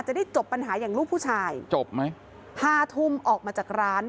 จะได้จบปัญหาอย่างรูปผู้ชาย๕ทุ่มออกมาจากร้าน